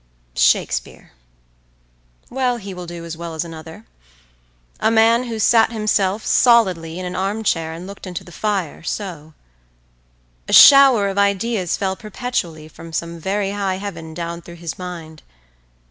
… Shakespeare.… Well, he will do as well as another. A man who sat himself solidly in an arm chair, and looked into the fire, so— A shower of ideas fell perpetually from some very high Heaven down through his mind.